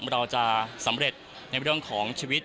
เราจะสำเร็จในเรื่องของชีวิต